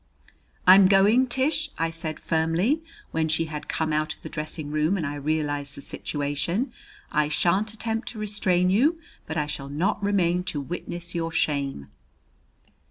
"I'm going, Tish," I said firmly, when she had come out of the dressing room and I realized the situation. "I shan't attempt to restrain you, but I shall not remain to witness your shame."